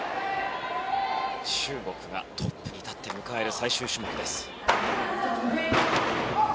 中国がトップに立って迎える最終種目です。